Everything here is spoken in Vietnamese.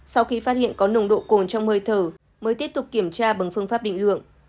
sau khi phát hiện có nồng độ cồn trong hơi thở mới tiếp tục kiểm tra bằng phương pháp định lượng